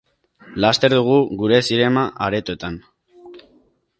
Laster dugu gure zinema-aretoetan!